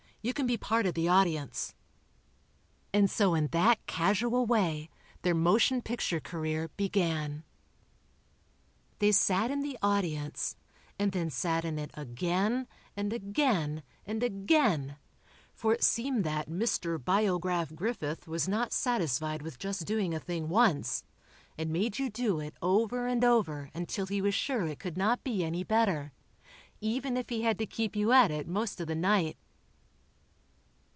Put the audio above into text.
You can be part of the audience." And so in that casual way, their motion picture career began. They "sat in the audience," and then sat in it again, and again and again, for it seemed that Mr. Biograph Griffith was not satisfied with just doing a thing once, and made you do it over and over until he was sure it could not be any better, even if he had to keep you at it most of the night.